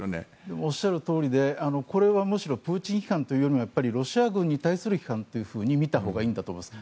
おっしゃるとおりでこれはむしろプーチン批判よりもロシア軍に対する批判と見たほうがいいんだと思います。